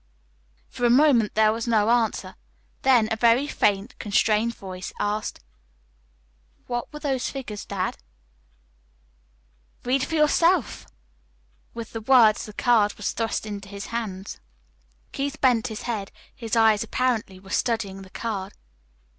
For a moment there was no answer; then a very faint, constrained voice asked: "What were those figures, dad?" "Read for yourself." With the words the card was thrust into his hand. Keith bent his head. His eyes apparently were studying the card.